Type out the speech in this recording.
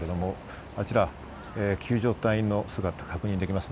あちら、救助隊の姿が確認できます。